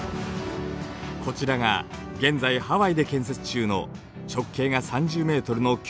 こちらが現在ハワイで建設中の直径が３０ｍの巨大望遠鏡ＴＭＴ。